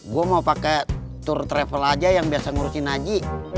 gua mau pake tour travel aja yang biasa ngurusin haji